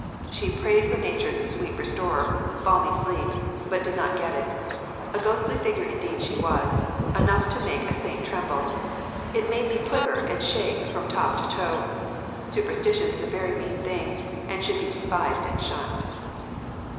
She prayed for nature's sweet restorer balmy sleep but did not get it a ghostly figure indeed she was, enough to make a saint tremble. It made me quiver and shake from top to toe. Superstition is a very mean thing, and should be despised and shunned."